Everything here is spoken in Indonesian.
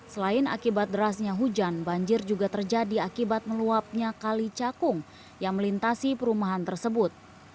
selain akibat derasnya hujan banjir juga terjadi akibat meluapnya kali cakung yang melintasi perumahan tersebut